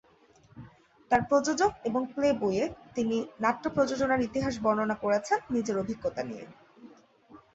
তাঁর "প্রযোজক" এবং "প্লে" বইয়ে তিনি নাট্য প্রযোজনার ইতিহাস বর্ণনা করেছেন নিজের অভিজ্ঞতা নিয়ে।